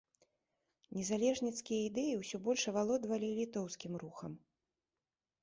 Незалежніцкія ідэі ўсё больш авалодвалі і літоўскім рухам.